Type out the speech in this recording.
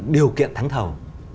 điều kiện thắng thầu